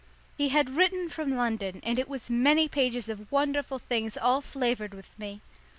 He had written from London, and it was many pages of wonderful things all flavoured with me.